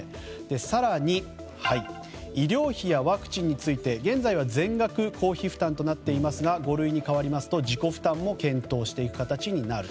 更に、医療費やワクチンについて現在は全額公費負担ですが五類に変わりますと自己負担も検討していく形になります。